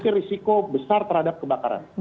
punya potensi risiko besar terhadap kebakaran